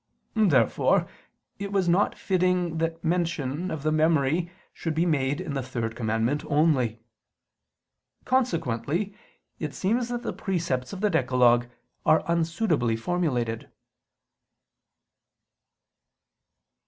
Therefore it was not fitting that mention of the memory should be made in the third commandment only. Consequently it seems that the precepts of the decalogue are unsuitably formulated.